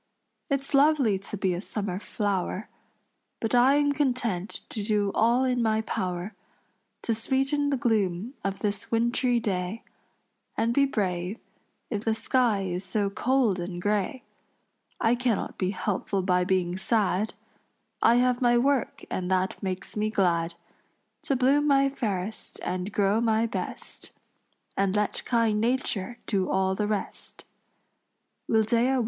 It's lovely to be a summer flower, But I am content to do all in my power To sweeten the gloom of this wintry day, And be brave if the sky is so cold and gray. I cannot be helpful by being sad; I have my work and that makes me glad To bloom my fairest and grow my best, And let kind nature do all the rest." Wildea Wood.